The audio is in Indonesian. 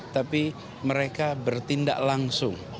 tapi mereka bertindak langsung